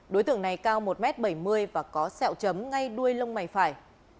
đối tượng này cao một m bảy mươi và có sẹo chấm ngay đuôi lông mày phải